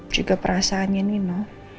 juga perasaannya nino